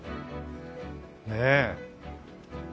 ねえ。